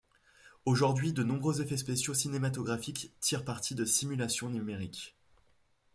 Aujourd'hui, de nombreux effets spéciaux cinématographiques tirent parti de simulations numériques.